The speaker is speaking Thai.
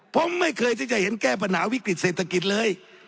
ผมไม่เคยที่จะเห็นแก้ปัญหาวิกฤติเศรษฐกิจเลย